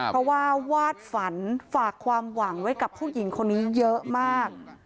เพราะว่าวาดฝันฝากความหวังไว้กับผู้หญิงคนนี้เยอะมาก